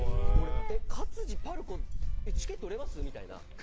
勝地、ＰＡＲＣＯチケット売れます？みたいな。